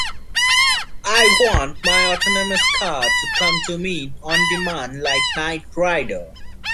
I want my autonomous car to come to me on demand like night rider.